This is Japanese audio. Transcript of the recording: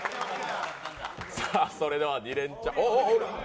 それでは２レンチャン。